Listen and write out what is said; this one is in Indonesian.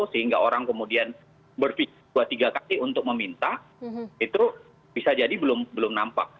sehingga orang kemudian berpikir dua tiga kali untuk meminta itu bisa jadi belum nampak